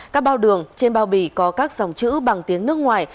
các bao đường trên bao bì có các dòng chữ bằng tiếng nước ngoài